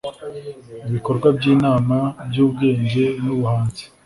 ibikorwa by'imana, byubwenge nubuhanzi